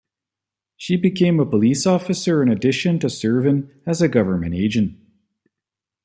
She became a police officer in addition to serving as a government agent.